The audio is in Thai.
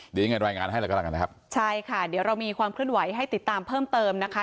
เดี๋ยวยังไงรายงานให้เลยก็แล้วกันนะครับใช่ค่ะเดี๋ยวเรามีความเคลื่อนไหวให้ติดตามเพิ่มเติมนะคะ